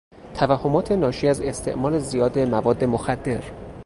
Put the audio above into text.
توهمات ناشی از استعمال زیاد مواد مخدر